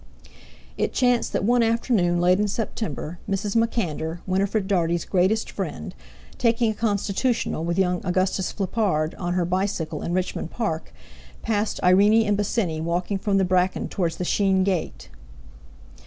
It chanced that one afternoon late in September, Mrs. MacAnder, Winifred Dartie's greatest friend, taking a constitutional, with young Augustus Flippard, on her bicycle in Richmond Park, passed Irene and Bosinney walking from the bracken towards the Sheen Gate.